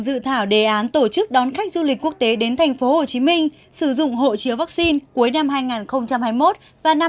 dự thảo đề án tổ chức đón khách du lịch quốc tế đến tp hcm sử dụng hộ chiếu vắc xin cuối năm hai nghìn hai mươi một